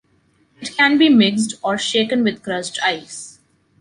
It can be mixed, or shaken with crushed ice.